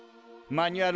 マニュアル。